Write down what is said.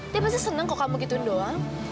dia pasti seneng kalau kamu gituin doang